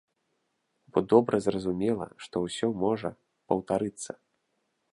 Бо добра зразумела, што ўсё можа паўтарыцца!